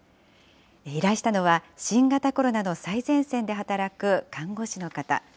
依頼したのは、新型コロナの最前線で働く看護師の方。